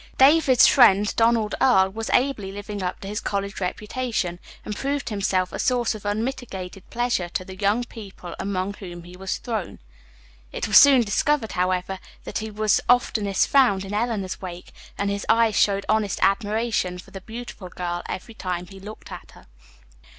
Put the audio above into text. David's friend, Donald Earle, was ably living up to his college reputation, and proved himself a source of unmitigated pleasure to the young people among whom he was thrown. It was soon discovered, however, that he was oftenest found in Eleanor's wake, and his eyes showed honest admiration for the beautiful girl every time he looked at her.